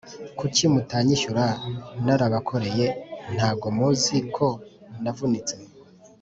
Kuki mutanyishyura narabakoreye ntago muziko navunitse